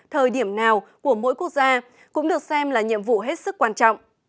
thời điểm nào của mỗi quốc gia cũng được xem là nhiệm vụ hết sức quan trọng